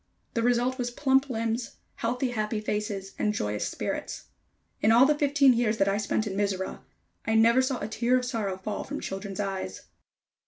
The result was plump limbs, healthy, happy faces and joyous spirits. In all the fifteen years that I spent in Mizora, I never saw a tear of sorrow fall from children's eyes.